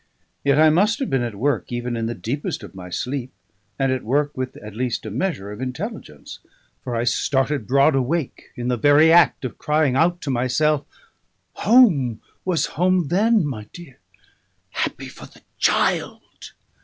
Yet I must have been at work even in the deepest of my sleep; and at work with at least a measure of intelligence. For I started broad awake, in the very act of crying out to myself "Home was home then, my dear, happy for the child."